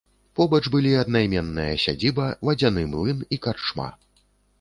Побач былі аднайменная сядзіба, вадзяны млын і карчма.